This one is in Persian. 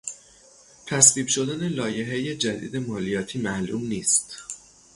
تصویب شدن لایحهی جدید مالیاتی معلوم نیست.